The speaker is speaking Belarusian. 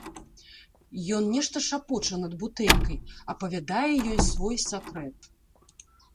Ён нешта шапоча над бутэлькай, апавядае ёй свой сакрэт.